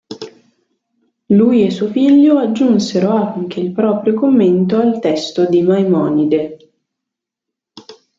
Lui e suo figlio aggiunsero anche il proprio commento al testo di Maimonide.